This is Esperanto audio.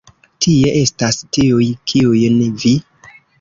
Tie estas tiuj, kiujn vi?